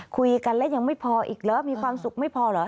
คุยกันแล้วยังไม่พออีกเหรอมีความสุขไม่พอเหรอ